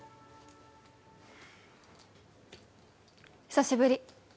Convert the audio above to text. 久しぶり